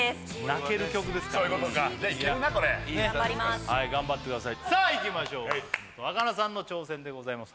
泣ける曲ですからそういうことかじゃあいけるな頑張ります頑張ってくださいさあいきましょう松本若菜さんの挑戦でございます